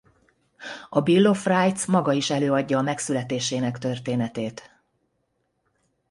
A Bill of Rights maga is előadja a megszületésének történetét.